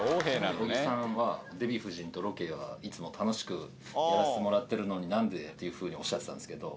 小木さんはデヴィ夫人とロケはいつも楽しくやらせてもらってるのに何で？っていうふうにおっしゃってたんですけど。